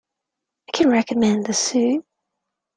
I can recommend the soup.